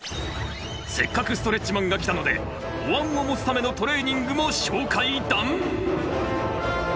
せっかくストレッチマンが来たのでおわんを持つためのトレーニングも紹介だん！